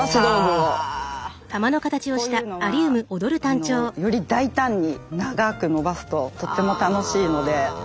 こういうのはより大胆に長く伸ばすととっても楽しいので。